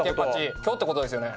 今日ってことですよね？